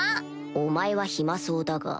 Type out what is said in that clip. お前は暇そうだが